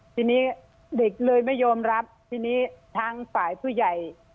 ทีนี้เด็กเลยไม่ยอมรับทีนี้ทางฝ่ายผู้ใหญ่